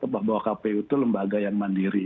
bahwa kpu itu lembaga yang mandiri